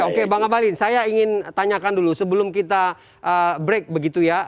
oke bang abalin saya ingin tanyakan dulu sebelum kita break begitu ya